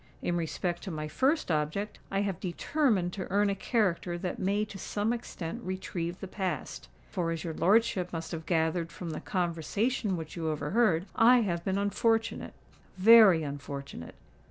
In respect to my first object, I have determined to earn a character that may to some extent retrieve the past;—for, as your lordship must have gathered from the conversation which you overheard, I have been unfortunate—very unfortunate!"